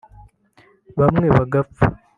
bamwe bagapfa